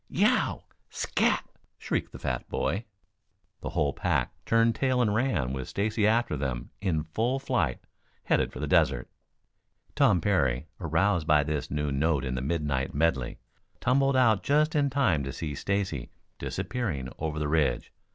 "Yeow! Scat!" shrieked the fat boy. The whole pack turned tail and ran with Stacy after them in full flight, headed for the desert. Tom Parry, aroused by this new note in the midnight medley, tumbled out just in time to see Stacy disappearing over the ridge.